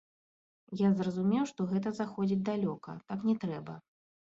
Я зразумеў, што гэта заходзіць далёка, так не трэба.